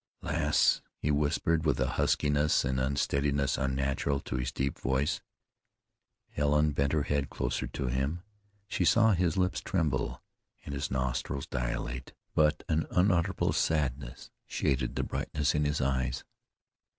"Lass," he whispered, with a huskiness and unsteadiness unnatural to his deep voice. Helen bent her head closer to him; she saw his lips tremble, and his nostrils dilate; but an unutterable sadness shaded the brightness in his eyes.